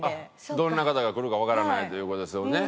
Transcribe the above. どんな方が来るかわからないという事ですよね。